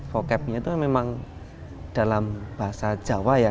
vocab nya itu memang dalam bahasa jawa ya